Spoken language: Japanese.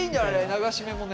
流し目もね。